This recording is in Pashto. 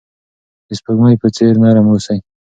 د سپوږمۍ په څیر نرم اوسئ.